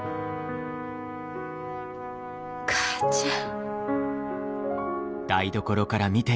母ちゃん。